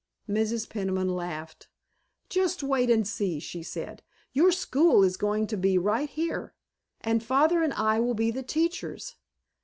Mrs. Peniman laughed. "Just wait and see," she said. "Your school is going to be right here, and Father and I will be the teachers.